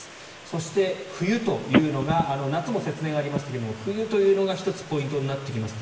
そして、冬というのが夏も節電がありましたが冬というのが１つ、ポイントになってきます。